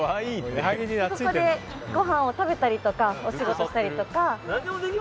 ここで、ごはんを食べたりお仕事したりとか。